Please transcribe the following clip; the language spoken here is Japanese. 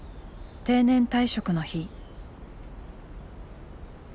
定年退職の日。